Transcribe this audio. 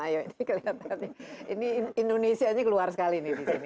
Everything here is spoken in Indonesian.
ini kelihatan indonesia keluar sekali nih di sini